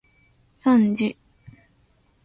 さんじ